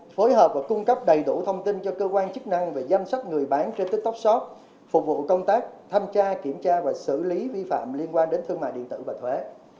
một phối hợp và cung cấp đầy đủ thông tin cho cơ quan chức năng và giam sát người bán trên tiktok shop phục vụ công tác tham tra kiểm tra và xử lý vi phạm liên quan đến thương mại điện tử và thuế